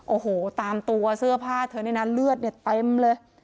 โอ้โหตามตัวเสื้อผ้าเธอนี่นะเลือดเนี่ยเต็มเลย